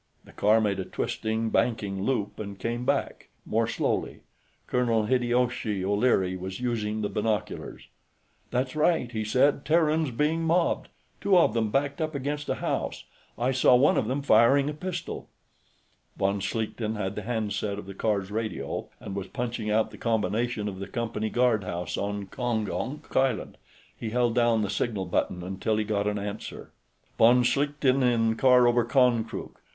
The car made a twisting, banking loop and came back, more slowly. Colonel Hideyoshi O'Leary was using the binoculars. "That's right," he said. "Terrans being mobbed. Two of them, backed up against a house. I saw one of them firing a pistol." Von Schlichten had the handset of the car's radio, and was punching out the combination of the Company guardhouse on Gongonk Island; he held down the signal button until he got an answer. "Von Schlichten, in car over Konkrook.